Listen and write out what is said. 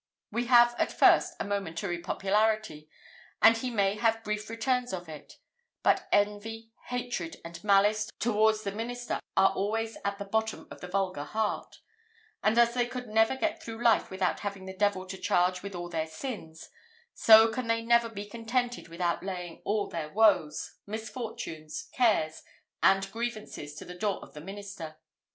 He may have, at first, a momentary popularity, and he may have brief returns of it; but envy, hatred, and malice towards the minister are always at the bottom of the vulgar heart: and as they could never get through life without having the devil to charge with all their sins, so can they never be contented without laying all their woes, misfortunes, cares, and grievances to the door of the minister.